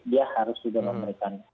dia harus juga memberikan